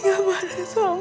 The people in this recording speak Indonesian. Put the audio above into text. intan kamu dimana sayang